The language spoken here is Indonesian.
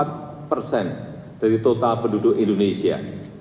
atau lima puluh empat persen dari total penduduk indonesia